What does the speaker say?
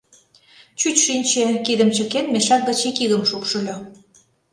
Чӱч шинче, кидым чыкен, мешак гыч ик игым шупшыльо.